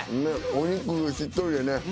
お肉しっとりでね。